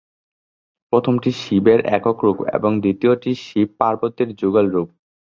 প্রথমটি শিবের একক রূপ এবং দ্বিতীয়টি শিব-পার্বতীর যুগল রূপ।